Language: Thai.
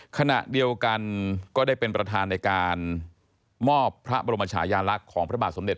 ขณะเดียวกันก็ได้เป็นประธานในการมอบพระบรมชายาลักษณ์ของพระบาทสำเด็